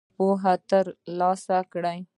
پوهه تر لاسه کړئ